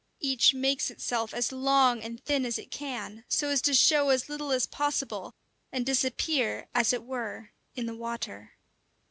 Each makes itself as long and thin as it can, so as to show as little as possible, and disappear, as it were, in the water.